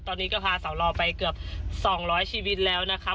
ตอนนี้ก็พาสาวรอไปเกือบ๒๐๐ชีวิตแล้วนะครับ